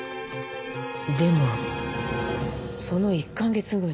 でもその１カ月後に。